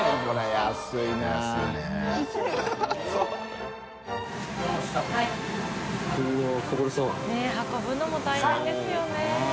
高山）ねぇ運ぶのも大変ですよねうん。